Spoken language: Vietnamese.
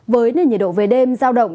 với nền nhiệt độ về đêm giao động